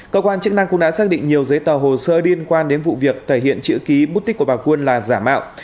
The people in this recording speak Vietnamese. cơ quan chức năng cũng đã xác định nhiều giấy tờ hồ sơ liên quan đến vụ việc thể hiện chữ ký bút tích của bà quân là giả mạo